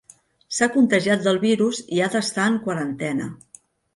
S'ha contagiat del virus i ha d'estar en quarantena.